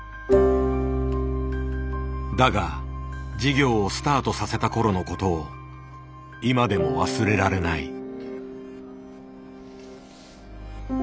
だが事業をスタートさせた頃のことを今でも忘れられない。